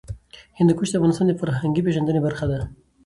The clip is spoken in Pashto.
هندوکش د افغانانو د فرهنګي پیژندنې برخه ده.